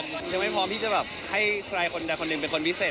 ทีนี่ไม่พร้อมที่จะให้ใครใครคุณแต่คนหนึ่งเป็นคนพิเศษ